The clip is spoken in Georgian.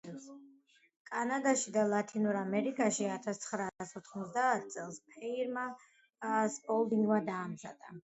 კანადაში და ლათინურ ამერიკაშიც. ათასცხრაასოთხმოცდაათი წელს ფირმა „სპოლდინგმა“ დაამზადა